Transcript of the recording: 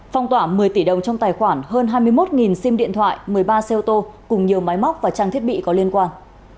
phong tỏa một mươi tỷ đồng trong tài khoản hơn hai mươi một sim điện thoại một mươi ba xe ô tô cùng nhiều máy móc và trang thiết bị có liên quan